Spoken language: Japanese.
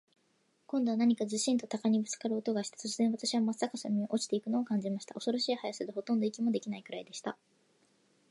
今度は何かズシンと鷲にぶっつかる音がして、突然、私はまっ逆さまに落ちて行くのを感じました。恐ろしい速さで、ほとんど息もできないくらいでした。